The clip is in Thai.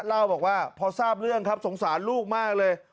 เล่าบอกว่าพอทราบเรื่องครับสงสารลูกมากเลย